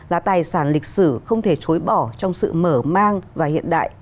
là tài sản lịch sử không thể chối bỏ trong sự mở mang và hiện đại